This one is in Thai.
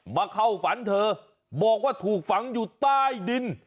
มาเข้าฝันเธอบอกว่าถูกฝังอยู่ใต้ดิน